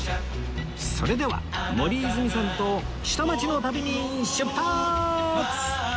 それでは森泉さんと下町の旅に出発！